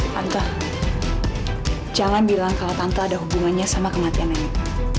tante jangan bilang kalau tante ada hubungannya sama kematian nenek